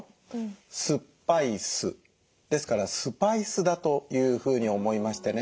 酸っぱい酢ですからスパイ酢だというふうに思いましてね